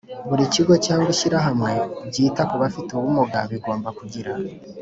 buri kigo cyangwa ishyirahamwe byita ku bafite ubumuga bigomba kugira